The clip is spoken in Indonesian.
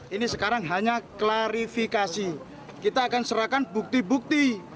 ini sekarang hanya klarifikasi kita akan serahkan bukti bukti